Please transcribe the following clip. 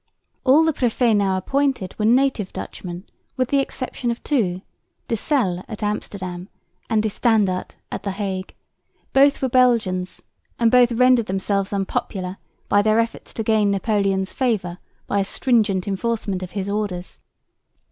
All the préfets now appointed were native Dutchmen with the exception of two, De Celles at Amsterdam and De Standaart at the Hague; both were Belgians and both rendered themselves unpopular by their efforts to gain Napoleon's favour by a stringent enforcement of his orders.